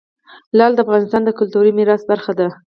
لعل د افغانستان د کلتوري میراث برخه ده.